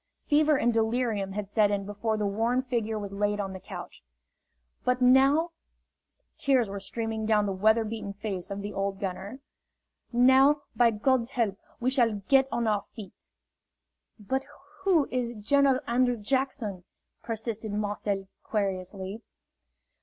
Fever and delirium had set in before the worn figure was laid on the couch. "But now," tears were streaming down the weather beaten face of the old gunner, "now, by God's help, we shall get on our feet!" "But who is General Andrew Jackson?" persisted Marcel, querulously.